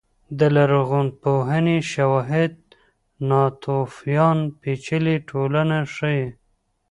د لرغونپوهنې شواهد ناتوفیان پېچلې ټولنه ښيي.